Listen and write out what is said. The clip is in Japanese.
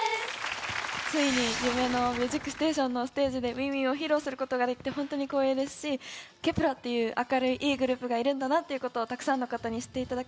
ついに夢の『ミュージックステーション』のステージで『ＷｉｎｇＷｉｎｇ』を披露する事ができて本当に光栄ですしＫｅｐ１ｅｒっていう明るいいいグループがいるんだなっていう事をたくさんの方に知っていただけたらなと思います。